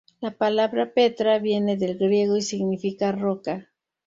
La palabra "Petra" viene del griego y significa "Roca".